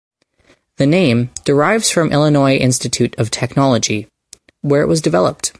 The name derives from Illinois Institute of Technology, where it was developed.